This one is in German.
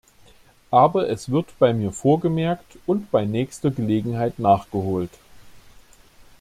Aber es wird bei mir vorgemerkt und bei nächster Gelegenheit nachgeholt.